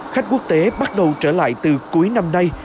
khách quốc tế bắt đầu trở lại từ cuối năm nay